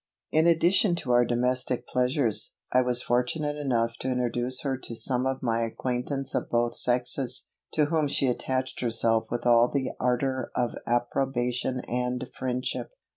In addition to our domestic pleasures, I was fortunate enough to introduce her to some of my acquaintance of both sexes, to whom she attached herself with all the ardour of approbation and friendship.